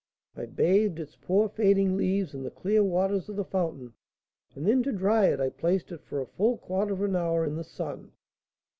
I bathed its poor fading leaves in the clear waters of the fountain, and then to dry it I placed it for a full quarter of an hour in the sun.